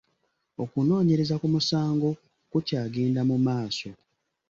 Okunoonyereza ku musango ku kyagenda mu maaso.